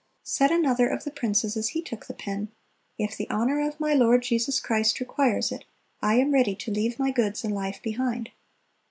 Said another of the princes as he took the pen, "If the honor of my Lord Jesus Christ requires it, I am ready ... to leave my goods and life behind."